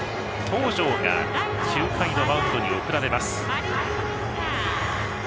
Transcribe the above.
東條が９回のマウンドに送られます。